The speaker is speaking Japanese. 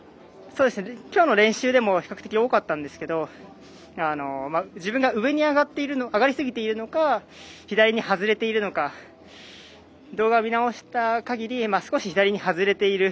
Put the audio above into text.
きょうの練習でも比較的多かったんですけど自分が上に上がりすぎているのか左に外れているのか動画を見直したかぎり少し左に外れている。